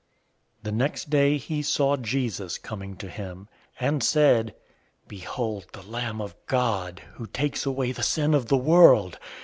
001:029 The next day, he saw Jesus coming to him, and said, "Behold, the Lamb of God, who takes away the sin of the world!